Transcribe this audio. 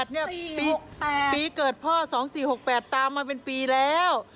เนี่ยปีเกิดพ่อ๒๔๖๘ตามมาเป็นปีแล้ว